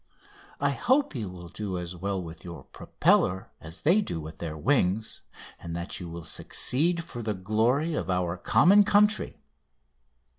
I hope you will do as well with your propeller as they do with their wings, and that you will succeed for the glory of our common country."